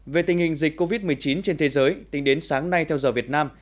về tình hình dịch covid một mươi chín trên thế giới tính đến sáng nay theo giờ việt nam